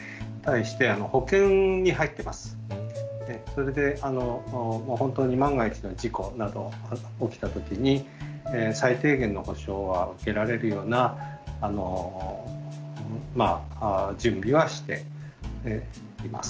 それで本当に万が一の事故など起きた時に最低限の保障は受けられるような準備はしています。